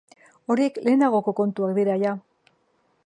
Horiek lehenagoko kontuak dira jada.